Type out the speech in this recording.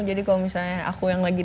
jadi kalau misalnya aku yang lagi